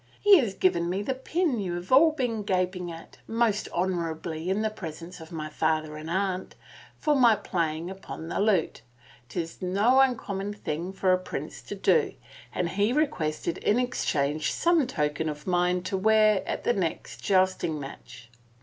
He had given me the pin you have all been gaping at, most honorably in the presence of my father and aunt, for my playing upon the lute — 'tis no uncommon thing for a prince to do, and he requested in exchange some token of mine to wear in the next jousting match.